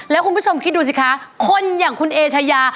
แล้วคุณผู้ชมคิดดูสิคะคนอย่างคุณเอชายา